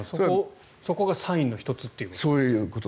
そこがサインの１つという。